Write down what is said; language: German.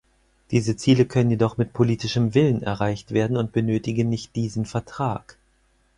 Diese Ziele können jedoch mit politischem Willen erreicht werden und benötigen nicht diesen Vertrag.